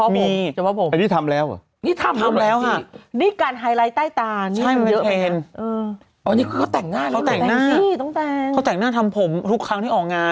มีน่ะอย่างเฉพาะผมมี